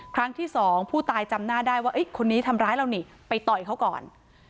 ครั้งที่สองผู้ตายจำหน้าได้ว่าคนนี้ทำร้ายเรานี่ไปต่อยเขาก่อน